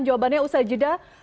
jawabannya usai jeda